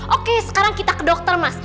oke sekarang kita ke dokter mas